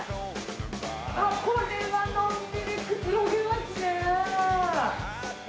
これはのんびりくつろげますね。